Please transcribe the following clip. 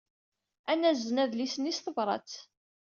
Ad nazen adlis-nni s tebṛat.